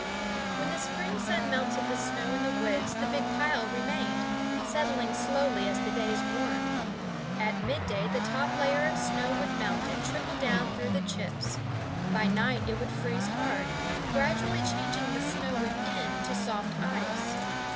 When the spring sun melted the snow in the woods the big pile remained, settling slowly as the days warmed. At midday the top layer of snow would melt and trickle down through the chips; by night it would freeze hard, gradually changing the snow within to soft ice.